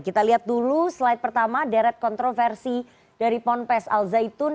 kita lihat dulu slide pertama deret kontroversi dari ponpes al zaitun